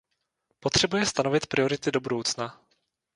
Potřebuje stanovit priority do budoucna.